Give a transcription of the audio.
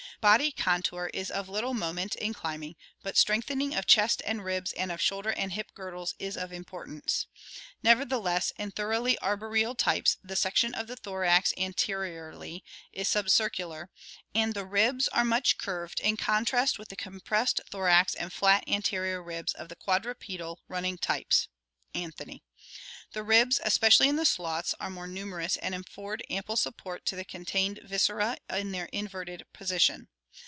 Body contour is of little moment in climbing, but strength ening of chest and ribs and of shoulder and hip girdles is of impor tance. Nevertheless, in thoroughly arboreal types the section of the thorax anteriorly is subcircular, and the ribs are much curved, in contrast with the compressed thorax and flat anterior ribs of quadrupedal running types (Anthony). The ribs, especially in the sloths, are more numerous and afford ample support to the con tained viscera in their inverted position.